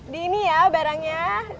di ini ya barangnya